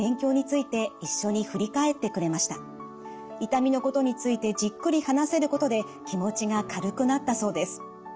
痛みのことについてじっくり話せることで気持ちが軽くなったそうです。